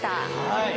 はい。